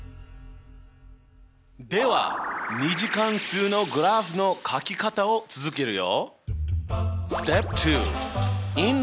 では２次関数のグラフのかき方を続けるよ。